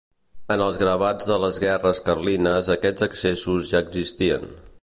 En els gravats de les guerres carlines aquests accessos ja existien.